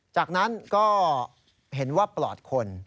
จากนั้นก็เห็นว่าปลอดคน